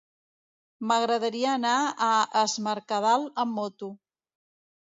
M'agradaria anar a Es Mercadal amb moto.